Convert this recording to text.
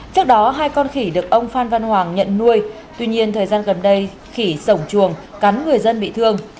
trước đó hai con khỉ được ông phan văn hoàng nhận nuôi tuy nhiên thời gian gần đây khỉ sổng chuồng cắn người dân bị thương